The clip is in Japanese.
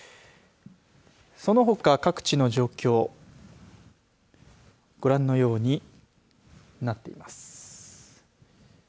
そのほか、各地の状況ご覧のようになっています。